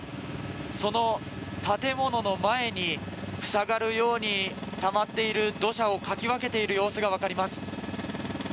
その建物の前に塞がるようにたまっている土砂をかき分けている様子がわかります。